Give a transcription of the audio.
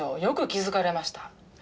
よく気付かれました。